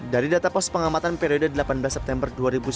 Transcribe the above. dari data pos pengamatan periode delapan belas september dua ribu sembilan belas